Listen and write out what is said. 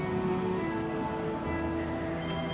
allah maha baik